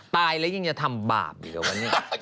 ตายแล้วยังจะทำบาปอยู่เหรอวะเนี่ย